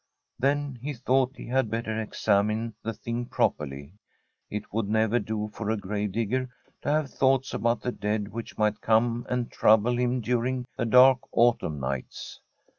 Then he thought he had better examine the thing properly. It would never do for a grave digger to have thoughts about the dead which might come and trouble him during the dark autumn nights.